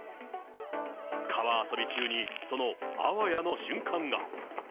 川遊び中に、そのあわやの瞬間が。